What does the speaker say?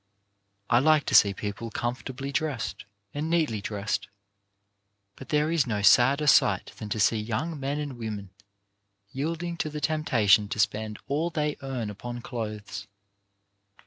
I like to see people comfortably and neatly dressed ; but there is no sadder sight than to see young men and women yielding to the tempta tion to spend all they earn upon clothes.